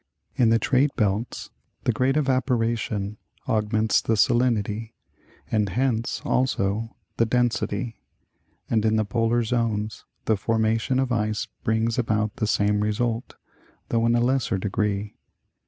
In the trade belts the great evaporation augments the salinity, and hence, also, the density, and in the polar zones the formation of ice brings about the same result, though in a lesser degree.